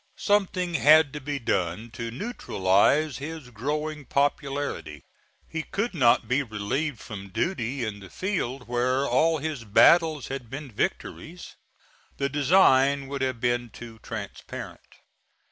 Something had to be done to neutralize his growing popularity. He could not be relieved from duty in the field where all his battles had been victories: the design would have been too transparent.